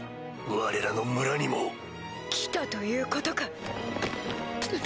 われらの村にも。来たということか。